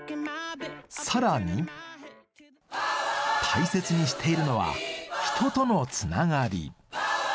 さらに大切にしているのは人とのつながり